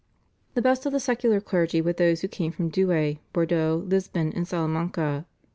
The best of the secular clergy were those who came from Douay, Bordeaux, Lisbon, and Salamanca.